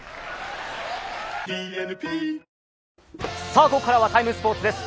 さあ、ここからは「ＴＩＭＥ，スポーツ」です。